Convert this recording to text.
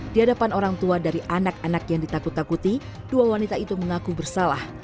di hadapan orang tua dari anak anak yang ditakut takuti dua wanita itu mengaku bersalah